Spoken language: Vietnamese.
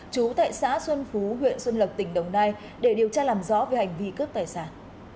chú tại xã xuân phú huyện xuân lộc tỉnh đồng nai để điều tra làm rõ về hành vi cướp tài sản